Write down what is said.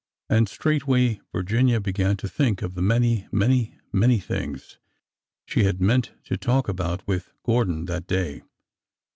And straightway Virginia began to think of the many, many, many things she had meant to talk about with Gordon that day.